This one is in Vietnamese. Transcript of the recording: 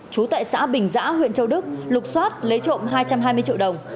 trú tại xã bình giã huyện châu đức lục xoát lấy trộm hai trăm hai mươi triệu đồng